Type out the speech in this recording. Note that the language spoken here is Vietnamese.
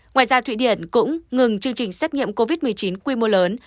ngoài ra thụy điển cũng ngừng chương trình xét nghiệm covid một mươi chín quy mô lớn